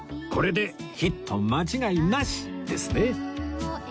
これでヒット間違いなしですね！